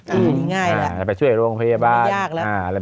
นี่ง่ายละไม่ชอบแล้ว